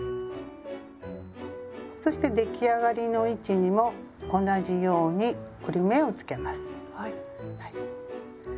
そして出来上がりの位置にも同じように折り目をつけます。